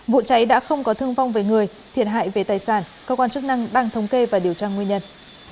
vụ cháy đã không có thương vong về người thiệt hại về tài sản cơ quan chức năng đang thống kê và điều tra nguyên nhân